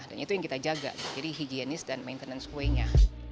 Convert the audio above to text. dan itu yang kita jaga jadi higienis dan maintenance kuenya